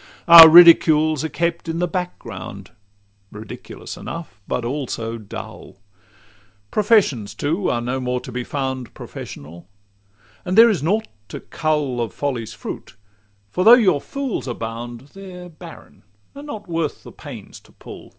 XCV Our ridicules are kept in the back ground Ridiculous enough, but also dull; Professions, too, are no more to be found Professional; and there is nought to cull Of folly's fruit; for though your fools abound, They're barren, and not worth the pains to pull.